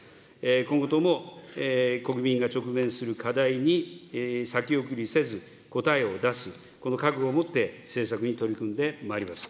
今後とも国民が直面する課題に先送りせず、答えを出す、この覚悟を持って政策に取り組んでまいります。